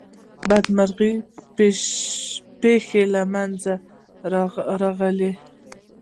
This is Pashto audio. بدمرغي پیښی منځته راغلې.